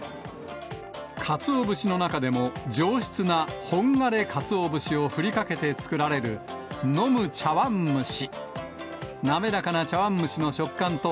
かつお節の中でも上質な本枯鰹節を振りかけて作られる、飲む茶碗蒸し。